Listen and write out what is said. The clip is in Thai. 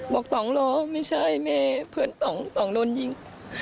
บอกต่องรอไม่ใช่แม่เพื่อนต่องต่องโดนยิง